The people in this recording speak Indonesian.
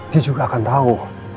dia juga akan tau